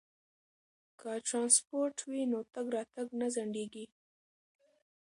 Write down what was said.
که ترانسپورت وي نو تګ راتګ نه ځنډیږي.